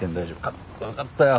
かっこよかったよ！